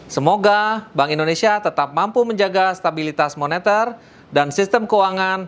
semoga bank indonesia tetap mampu menjaga stabilitas moneter dan sistem keuangan